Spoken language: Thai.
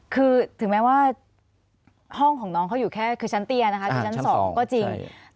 คือถึงแม้ว่าห้องของน้องเขาอยู่แค่คือชั้นเตี้ยนะคะคือชั้น๒ก็จริง